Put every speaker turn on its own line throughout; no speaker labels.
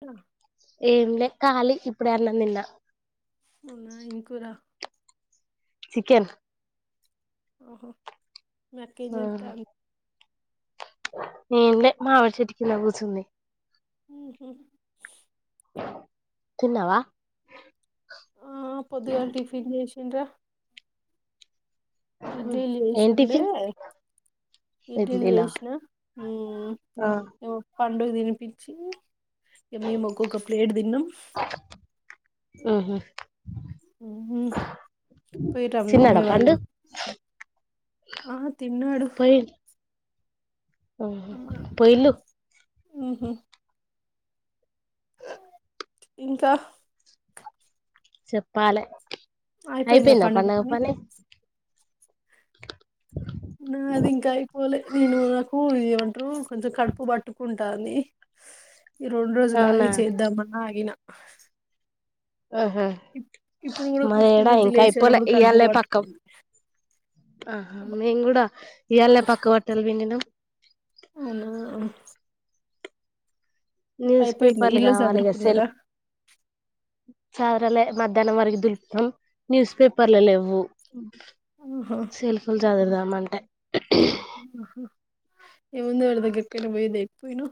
అ [inaudible]
ఏమి లే కాలి ఇప్పుడే అన్నం తిన్నా
అవునా ఏం కూర
చికెన్
ఓహో నాకే నంతా
ఏమిలే మామిడి చెట్టు కింద కూర్చొంది
హు హు
తిన్నావా
ఆ పొదుగాల టిఫిన్ చేసి ఇంకా ఇడ్లీలు
ఏం
చేసిండే
టిఫిన్
ఇడ్లీలు
ఇడ్లీలా
చేసిన పండుకి తినిపించి ఇక మేము ఒక్కోక్క ప్లేట్ తిన్నాం
ఊహూ
ఓహు పోయిన్ర మీ
తిన్నాడా
మమ్మీ
పండు
వాళ్లు ఆ తిన్నాడు
ఆ పోయిళ్ళు
ఊహు ఇంకా
చెప్పాలి అయిపోయిందా పండుగ పని
నా అది ఇంకా అయిపోలే నేను నాకు ఇది ఏమంటారు కొంచెం కడుపు పట్టుకుంటుంది ఈ రెండు రోజులు
అవునా
ఆగి చేద్దామనా ఆగిన
ఆహా
ఇప్- ఇప్పుడు కూడా కుర్చీ
మరిడా
నుంచి
ఇంకా అయిపోలే
లేచేటప్పుడు కడుపు
ఇయళ పక్క
పట్టుకుంది
ఆహా మేము కూడా ఇపక్క వట్టలు పిండినా
అవును
న్యూస్ పేపర్లు
ఇల్లు
కావాలి
చదురుకున్నారా
సెల్ఫ్ చెదరలే మధ్యాహ్నం వరకు దులుపుతాం న్యూస్ పేపర్లు లేవు
ఆహా
సెల్ఫుల్ చదురుదాం అంటే
ఏముంది వాళ్ళ దగ్గరికి ఎటువైతేకపోయినా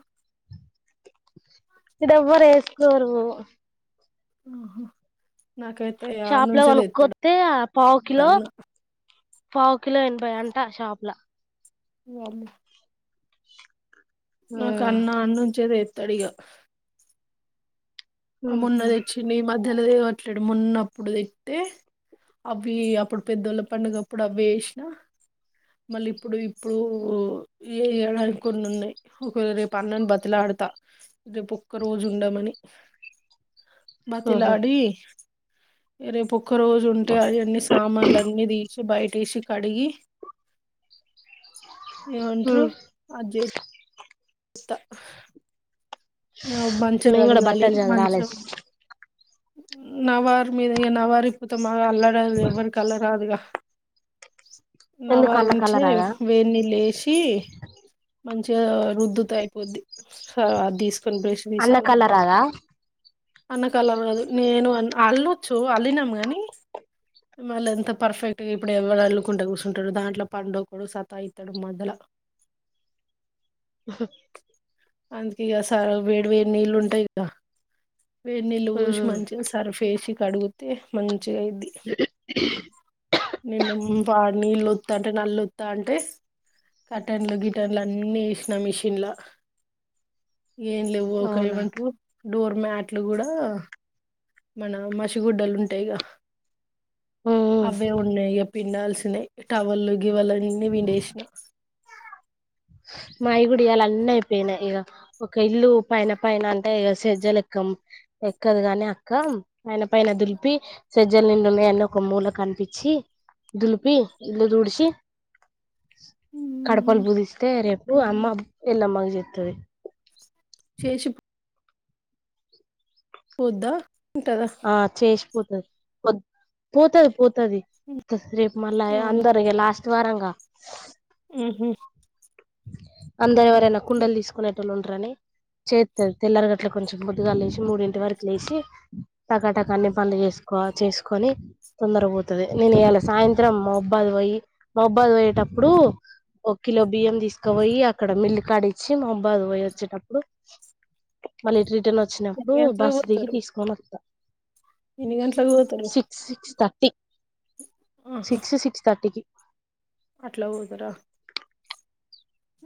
ఇది ఎవ్వరు ఏస్కోరు
ఆహో
షాప్ లో వనుక్కొతే ఆ పావు కిలో
అన్న
పావ్ కిలో ఎభై అంటా షాపుల
వామ్మో నాకు అన్న ఆ నుంచే తడిగా ఆ మున్న తెచ్చింది ఈ మధ్యలో తేవట్లే మేము ఉన్నప్పుడు తెత్తే అవి అప్పుడు పెద్దోళ్ళ పండుగప్పుడు అవి వేసినా మళ్ళీ ఇప్పుడు ఇప్పుడు చేయడానికి కొన్ని ఉన్నాయి ఒకేళ రేపు అన్నను బతిలాడతా రేపు ఒక్క రోజు ఉండమని
ఉహు
బతిలాడి రేపు ఒక్క రోజు ఉంటే ఆయన్ని సామాన్లు అన్ని తీసి బయటి ఏసి కడిగి
ఉ
స్త ఆ మంచగ
మేము కూడా
అడగాలి
బట్టలు చదు
మంచం
రాలేదు
నవార్ మీద ఈగ నవర్ విపుతమ ఆ అల్లడాల్ ఎవరికి అల్లరాదుగా
ఎందుకు
నవరు
అన్న కళ్ళ
ఉంచే
రాదా
వేన్నీ ఏసీ మంచిగా రుద్దుత అయిపోద్ది సవా తీసు
అన్నకళ్లరాద [inaudible]
అన్నకు అల్లరాదు నేను అల్లొచ్చు అల్లినాము కానీ మళ్ళీ ఎంత పర్ఫెక్ట్ గా ఇప్పుడు ఎవరు అల్లుకుంటా కూసుంటడు దాంట్లో పండు కూడా సత్తాయి ఇస్తాడు మధ్యల
హ్ హు
అందుకే ఇగ సార్ వేడి వేడి నీళ్ళు ఉంటాయి ఇగ. వేడి నీళ్ళు పోసి మంచిగ సర్ఫేసి. కడుగుతే మంచ్ చెయ్యిది నిన్న పా నీళ్ళు వత్తంటె అంటే నల్ల వత్తంటె కటన్లు గిటన్లు అన్ని వేసినా మిషన్ల ఎంలెవ్వు ఒక
అవునా
ఏమంటరు. డోర్ మ్యాట్లు కూడా మన మసిగుడ్డలు ఉంటాయిగ అవ్వే ఉన్నాయి ఇ పిండాల్సినయ్ టవళ్ళు గివళ్ళు అన్నీ పిండేసిన.
మై గుడా ఇయాల అన్నీ అయిపోయినాయి. ఇక ఒక ఇల్లు పైన పైన అంటే ఇగ సజ్జలు ఎక్కం ఎక్కదు గాని అక్క పైన పైన దులిపి సజ్జల నిండున్నయ్ అన్ని ఒక మూల కనిపించి దులిపి ఇల్లు దుడిచి. కడపల్ పూజిస్ [inaudible] రేపు అమ్మా ఎల్లమ్మ కి చేత్తది.
చేసి పోద్దా ఉంటాదా. [inaudible]
పోతాది పోత్ పోతాది పోతాది రేపు మళ్ళా అందరి ఇగ లాస్ట్. వారంగా
ఉహు
అందరు అదేనా కుండలు తీసుకునే లు ఉంటరని చేస్తాది తెల్లరి గట్ల కొంచం పొద్దుగాల లేచి మూడింటి వరకు లేచి, టకాటాక అన్ని పనులు చేసుకో చేసుకొని తొందర పోతాది. నేను ఇలా సాయంత్రం మబ్బాది పోయి మబ్బాదు పోయేటప్పుడు ఒక కిలో బియ్యం తీసు. పోయి అక్కడ మిల్లి కాడి ఇచ్చి మాబ్బాదికి పోయి వచ్చేటప్పుడు మళ్ళీ ఇటు రిటన్ ఒచ్ వచ్చినప్పుడు
ఎన్ని గంటలకు
బస్ దిగి
పోతారు
తీసుకొని అత్త
ఎన్ని గంటలకు పోతారు
సిక్స్ సిక్స్ థ టి
ఆహా
సిక్స్ సిక్స్ థర్టీకి.
అట్లా పోతరా.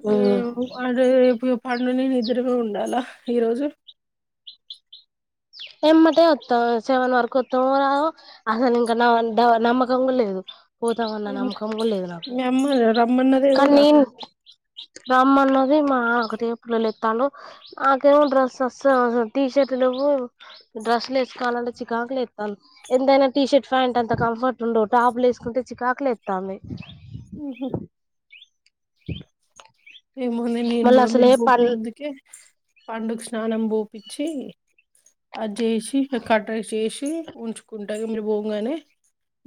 మేమ్ అంటే రేపు. వాడు నేను ఇద్దరమే ఉండాలా ఈరోజు.
ఏమ్మటే అత్తం సెవన్ వరకు అత్తమో రామో ఆహా ఇంకా నా ద నమ్మకం కూడా లేదు. పోతామన్నా నమ్మకం కూడాలేదు నాకు
మీ అమ్మ
కానీ
రమ్మన్నదేమోగా
నేను. రమ్మన్నది మా ఒక రేపులుత్తాడు మాకేమో డ్రెస్ అస్సల్ టీ షర్ట్ లేవు. [unintelligible] డ్రెస్లు ఏసుకోవాలంటే చికాక్ లెత్తంది. ఎంతైనా టీషర్ట్ ఫ్యాంట్ అంత కంఫర్ట్ ఉండో టాప్లు ఎస్కుంటే చికాక్ లెత్తంది
ఉహు
ఈఈ.
ఏమో నేను మీ కూడా మీరు భూపు ముందుకే. [unintelligible] పండుగ స్నానం పోపిచి అది చేసి కట్ర చేసి ఉంచుకుంట ఇక మీరు పోమ్గానే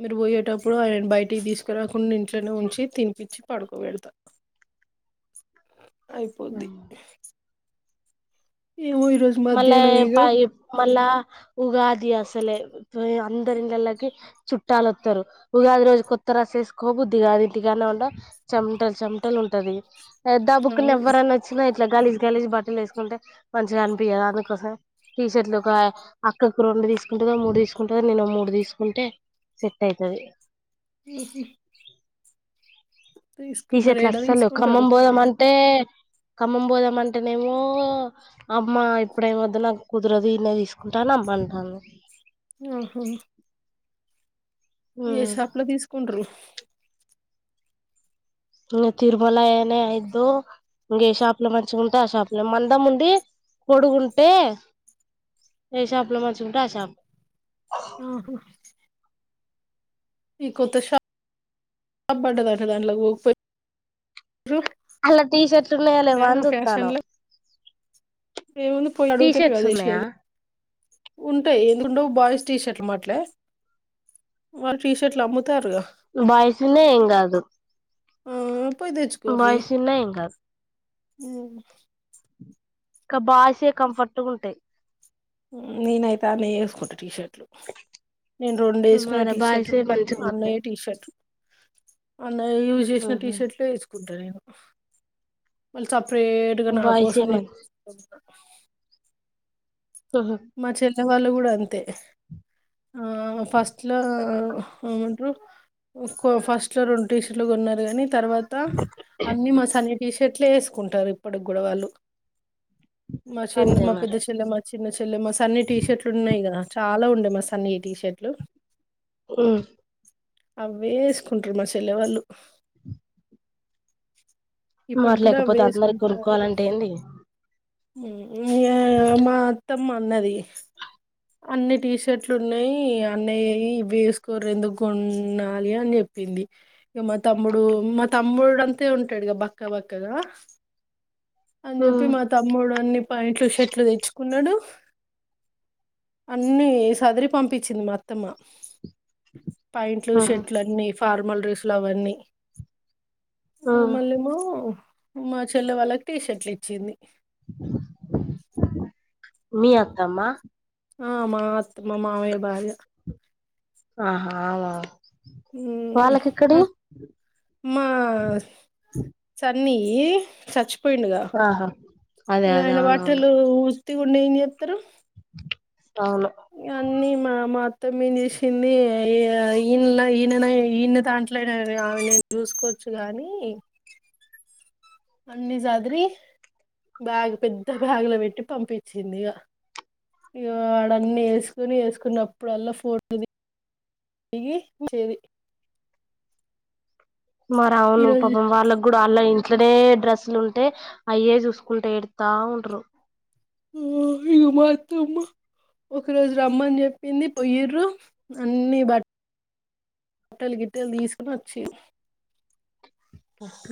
మీరు పోయేటప్పుడు ఆయన బయటికి తీసుకురాకుండా ఇంట్లోనె ఉంచి తినిపించి పడుకో పెడత అయిపోద్ది ఏమో ఈరోజు
మళ్ళ
మధ్యాహ్నం ఇగ
ప మల్ళ ఉగాది అసలే అందరి ఇండ్లలోకి చుట్టాలు వస్తరు ఉగాది రోజు కొత్త డ్రెస్ వెస్కోబుద్ది గాది ఇంటికాన్నా ఉండా చెమటలు చెమటలు ఉంటది
ఆ
[unintelligible] ఎవ్వరని వచ్చిన ఇట్లా గలిజ్ గలిజ్ బట్టలు వేసుకుంటే మంచిగా అని ఆమె కోసం టీషర్ట్లు ఒక అక్కకు రెండు తీసుకుంటుందో మూడు తీసుకుంటందో నిేను మూడు తీసుకుంటే సెట్ అవుతుది
ఉ
టీషర్ట్లు అస్సలు లేవ్ ఖమ్మం
తీసుకుంటారు
పోదామంటే ఖమ్మం పోదామంటేనేమో అమ్మ ఇప్పుడేమి వద్దు నాకు కుదరదు ఇడనే తీసుకుంటా అని అమ్మంటాంది
ఆహా ఏ
ఉమ్
షాప్ లో తీసుకుంట్రు [unintelligible]
ఇంక తిరుమల అనే అయిద్దో ఇంక ఏ షాప్ లో మంచిగా ఉంటే ఆ షాపు లో మందం ఉండి పోడుగుంటే ఏ షాపు లో మంచిగా ఉంటే ఆ షాప్
ఆహ ఈ కొత్త ష షాప్బడ దట దాంట్లో పోకపోయి
అలా టీ షర్ట్ ఉన్నయా లేవా అని
ఫ్యాషన్
చుస్తునవ్
లో ఏముంది పోయి అడుగుతనే
షర్ట్స్
కద
ఉన్నాయా
ఇచ్చేది ఉంటయి ఎందుకు ఉండవు బాయ్స్ టీ షర్ట్లు అమ్మట్లే వాళ్ళు టీ షర్ట్లు అమ్ముతారుగ
బాయ్స్ ఉన్నా ఎమ్ కాదు
ఆ పోయి తెచ్చుకొండ్రి
బాయ్స్ ఉన్నాయి ఏం కాదు కబాష ే కంఫర్ట్ గా ఉంటయి
నేేనయితే అడనే వేసుకుంట టీ షర్ట్ నేను రెండు వేసుకునే
మరి
టీ షర్ట్లు
బాయ్సే మంచిగా ఉంటాయి
అన్నయ్య టీషర్ట్లు అన్నయ యూజ్ చేసిన టీ
ఉహు
షర్ట్లు వేసుకుంటాను నేను మళ్ సప్ప లేట్ గా నా
బాయ్సే
కోసం
మం
[unintelligible]
హహ
ల వాళ్ళు కూడా అంతే ఆ ఫస్ట్ లో ఎమంటరు ఫస్ట్ లో రెండు టీ షర్ట్లు కొన్నారు కాని తర్వాత అన్ని మా సన్ని చెట్లే వేసుకుంటారు ఇప్పటి కూడాడవాళ్ళు మి
అంతే
మా
మరి
పెద్దేశల మచ థినే మ అన్ని టీషర్ట్లు ఉన్నాయి కదా చాలా ఉండే మా సన్నీ టీషర్ట్లు
ఉమ్
అవే వేసుకుంటారు మా చెల్లెవాళ్ళు
మాట్లేకపోతే అందరి కొనుక్కోవాలంటే ఏడి
ఉమ్ ఉమ్ మా అథా అన్నది అన్ని టీషర్ట్లు ఉన్నాయి అన్నయ్య ఇ వేసుకోరరు ఎందుకు కొండాలి అని చెప్పింది ఇక మా తమ్ముడు మా తమ్ముడు అంతే ఉంటాడు బక్క బక్కగా అన్న చెపి
ఉమ్
మా తమ్ముడు అన్ని ప్యాంట్లు షర్ట్లు తెచ్చుకున్నాడు అన్ని సదరి పంపించింది అత్తమ్మ ప్యాంట్లు
ఉహు
షర్ట్లు అన్నీ ఫార్మల్ ర్రేసులు అవన్నీ ఆ
ఉమ్
మళ్ళీమో మా చెల్లె వాళ్ళకి టీ షర్ట్లు ఇచ్చింది
మీ అత్తమ్మా
ఆ మాత్ మా మామయ భార్య
ఆహా అవు
ఉమ్ హా మా సార్ అన్నీ చచ్చి పోయిండగా
ఆహా అదే
ఇక
అదే
ఆయన
అవునవును
వాటలు త కూడా ననిత్ర
అవును
అన్నీ మా మా మొత్త మీ తీసింది ఈ ఈయనలో ఈయన ఈయన దాంట్లోనా ఆమె నను చూసుకోవచ్చు గానీ అన్ని సదిరి బ్యాగ్ పెద్ద బ్యాగ్ లో పెట్టి పంపించింది ఇక ఇ వాడన్ని వేసుకొని వేసుకున్నప్పుడల్లా ఫోటో దిగిచ్చది
మరి అవును
ఈరోజు
పాపం వాళ్ళకి కూడా అల్లా అయింది అట్లనే డ్రెస్సులు ఉంటే అయే చూసుకుంటే ఏడతా ఉండరు
ఇ మాతమ్ ఒక రోజు రమ్మని చెప్పింది పొయ్యరు అన్ని బట్ట బట్టలు గిట్టెలు తీసుకుొని వచ్చే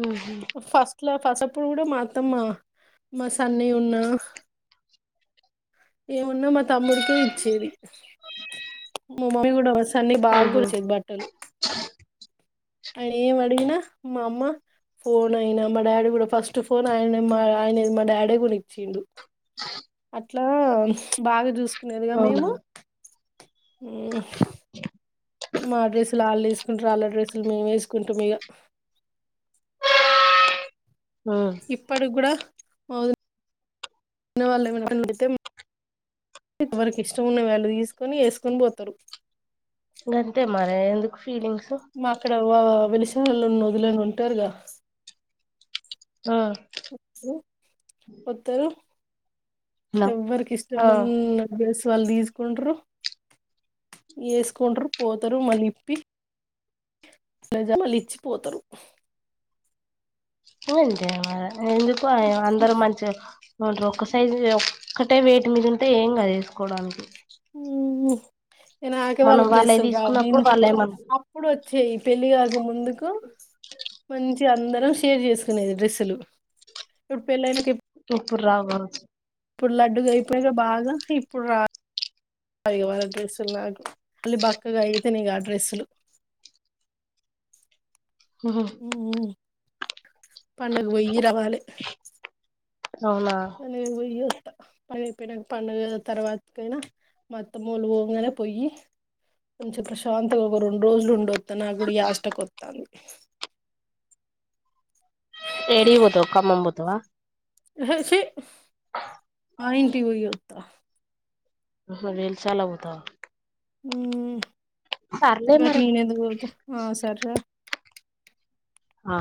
ఉహు
ఫస్ట్ ఇట్లా ఫస్ప్పుడు కూడా మాత్తమ్ మా మా సన్న ఉన్నా ఏమున్నా మా తమ్ముడికే ఇచ్చేది మా మమ్మీ కూడాస అన్ని బాగా
ఉహు
గురిసేది బట్టలు ఆయన ఏమి అడిగినా మా అమ్మ ఫోన్ అయినా మా డాడీ కూడా ఫస్ట్ ఫోన్ ఆయన మా ఆయన మా డాడే కూడా ఇచ్చిండు
అ
అట్లా బాగా చూసు కునేదిగా
అవునా
మేము ఉ మా డ్రస్సులు ఆళ్ళు వేసుకుంటారు వాళ్ళ డ్రస్సులు మేము ఏసుకుంటాం ఇగ
ఉమ్
ఇప్పడి కూడా మా వదిన వదిన వాళ్ళు ఏమన్నా బటన్లు తెత్తే ఎవరికి ఇష్టం ఉన్న వ్యాల్యూ తీసుకొని ఏసుకొని పోతారు
గంతే మార ఎందుకు ఫీలింగ్సు
వ వ వెలిసాలలో ఉన్న వదినలు ఉంటరుగా
ఆ
వత్తరు
హలో
ఎవ్వరికి
ఆ
ఇష్టమున్న డ్రెస్ వాళ్ళు తీసుకుంట్రు ఏసుకుంటారు పోతారు మళ్ళ ఇప్పి లజ మళ్ళ ఇచ్చిపోతరు
అంతే మరే ఎందుకు ఆయా అందరు మంచిగా ఏమంటరు ఒక్క సైజు ఒక్కటే వెయిట్ మీదుంటే ఏం కాదు ఎసుకోవడానికి
ఉ నేను ఆకవాళ్ళ
మనం వాళ్ళయి
డ్రెస్సులు రావు
తీసుకున్నప్పుడు
నేను
వాళ్ళేమన్
అప్పుడు వచ్చేయి పెళ్ళి కాక ముందుకు మంచి అందరం షేర్ చేసుకునేది డ్రస్లు ఇప్పుడు పెళ్ళైన క ఇప్
ఇప్పటికే రావు కావచ్చు
ఇప్పుడు లడ్డుగా అయిపోయాక బాగా ఇప్పుడు రా ఇగ వాళ డ్రెస్సులు నాకు మళ్ళీ బక్కగా అయితనే ఇగ ఆ డ్రెస్సులు
ఉహు
ఉ పండుగకు పోయి రావాలే
అవునా
ఇగ నేను పోయి వస్ పని అయిపోయినక పండుగ తర్వాతకైనా మా అత్తమ్మోలు పొంగనే పోయి కొంచెం ప్రశాంతంగా ఒక రెండు రోజులు ఉండొచ్చ త నా గుడ యష్ట కొత్తంది
ఎడివోతవ్ ఖమ్మం పోతవా
యేహె చి మా యింటి పోయి అత్త
ఆహా వేలిచాలా పోతవ
ఉ గట్
మరి
నేనెందుకు పోత హ సరే రా
ఆ......